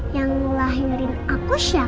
yang ngelahirin aku siapa